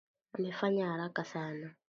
Amefanya haraka sana.